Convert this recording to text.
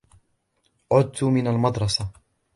عدت من المدرسة.